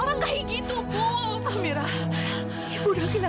boleh nggak kamu sambil berjalan